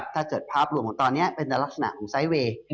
ถ้าเกิดภาพรวมของตอนนี้เป็นลักษณะของไซส์เวย์